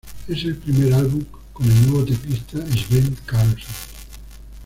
Es el primer álbum con el nuevo teclista, Sven Karlsson.